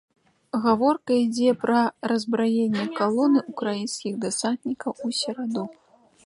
Гаворка ідзе пра раззбраенне калоны ўкраінскіх дэсантнікаў у сераду.